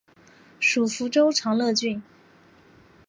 属福州长乐郡。